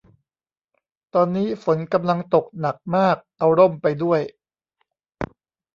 ตอนนี้ฝนกำลังตกหนักมาก เอาร่มไปด้วย